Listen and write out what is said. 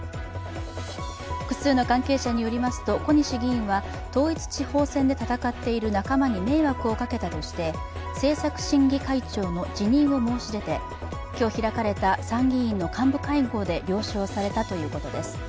複数の関係者によりますと、小西議員は統一地方選で戦っている仲間に迷惑をかけたとして政策審議会長の辞任を申し出て今日開かれた参議院の幹部会合で了承されたということです。